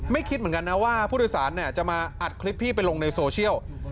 คิดเหมือนกันนะว่าผู้โดยสารจะมาอัดคลิปพี่ไปลงในโซเชียล